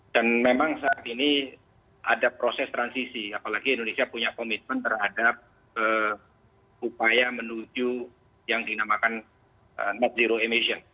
dan memang saat ini ada proses transisi apalagi indonesia punya komitmen terhadap upaya menuju yang dinamakan net zero emission